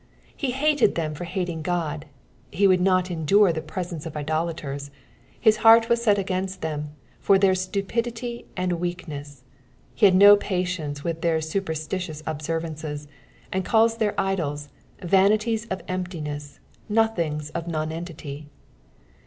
He hsted them for hating God ; he would not endure the presence of idolaters ; his heart wss set against them for their stupidity and wickedness. He had no patience with their superBtitious observances, sad calis their idols vanities of emptiness, nothings of nonentity.